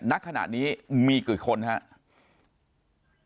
ณขณะนี้มีกี่คนครับ